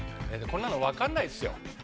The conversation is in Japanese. こんなのわかんないですよ。